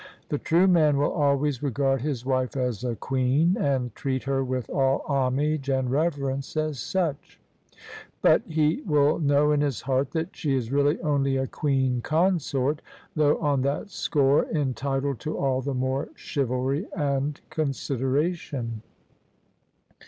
The true man will always regard his wife as a queen, and treat her with all homage and reverence as such ; but he will know in his heart that she is really only a queen consort, though on that score entitled to all the more chivalry and consider ation.